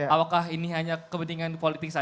apakah ini hanya kepentingan politik saja